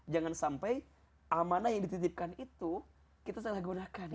jangan sampai amanah yang dititipkan itu kita salah gunakan